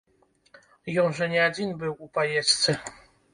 Ён жа не адзін быў у паездцы.